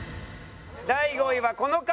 第５位はこの方。